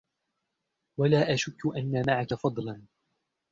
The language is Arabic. ولا أشك أن معك فضلا